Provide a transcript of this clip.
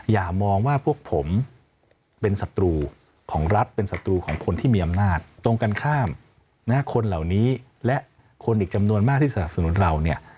อย่ามองว่าพวกผมเป็นศัตรูของรัฐเป็นศัตรูของคนที่มีอำนาจตรงกันข้ามคนเหล่านี้และคนอีกจำนวนมากที่สนับสนุนเราเนี่ย